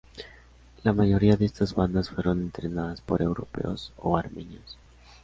La mayoría de estas bandas fueron entrenadas por europeos o armenios.